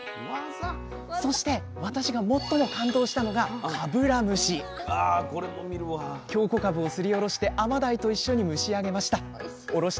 そして私が最も感動したのが京こかぶをすりおろして甘鯛と一緒に蒸し上げました。